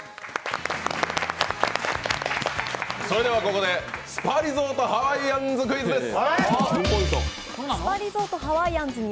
ここでスパリゾートハワイアンズクイズです。